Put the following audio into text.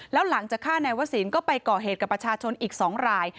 แล้วหลังจากฆ่านายวศิลป์ก็ไปก่อเหตุกับประชาชนอีก๒ราย